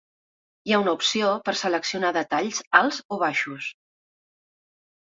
Hi ha una opció per seleccionar detalls alts o baixos.